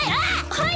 はい！